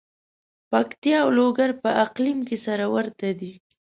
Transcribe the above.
پکتیا او لوګر په اقلیم کې سره ورته دي.